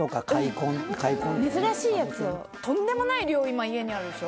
珍しいやつをとんでもない量今家にあるでしょ？